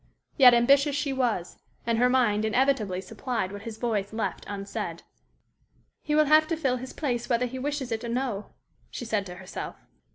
Yet, ambitious she was, and her mind inevitably supplied what his voice left unsaid. "He will have to fill his place whether he wishes it or no," she said to herself.